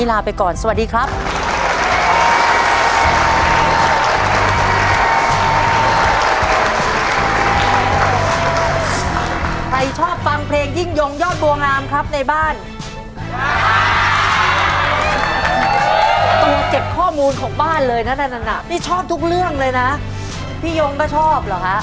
เก็บข้อมูลของบ้านเลยนะนั่นน่ะนี่ชอบทุกเรื่องเลยนะพี่ยงก็ชอบเหรอฮะ